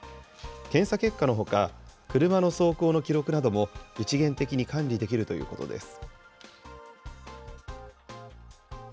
検査結果のほか、車の走行の記録なども一元的に管理できるということです。